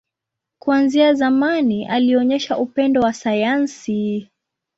Kuanzia zamani, alionyesha upendo wa sayansi.